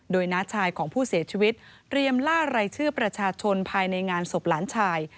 โดยน้าชายของผู้เสียชีวิตเตรียมล่ารายชื่อประชาชนภายในงานศพหลานชาย